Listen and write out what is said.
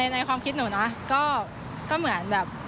ในความคิดหนูนะก็เหมือนแบบ